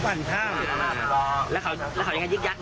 แล้วเขายังไงยึกยักหรือยัง